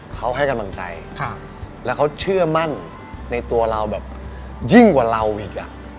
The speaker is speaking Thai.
เขาให้กำลังใจแล้วเขาเชื่อมั่นในตัวเราแบบยิ่งกว่าเราอีก